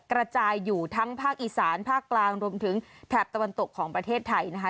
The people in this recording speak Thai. กระจายอยู่ทั้งภาคอีสานภาคกลางรวมถึงแถบตะวันตกของประเทศไทยนะคะ